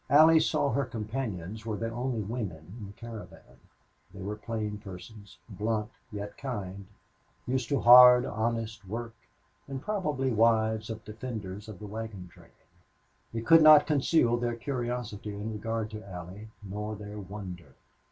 Allie saw her companions were the only women in the caravan; they were plain persons, blunt, yet kind, used to hard, honest work, and probably wives of defenders of the wagon train. They could not conceal their curiosity in regard to Allie, nor their wonder.